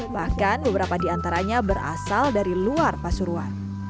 bahkan beberapa di antaranya berasal dari luar pasuruan